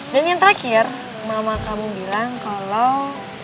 dan yang terakhir mama kamu bilang kalau